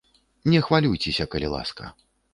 Не хвалюйцеся, калі ласка.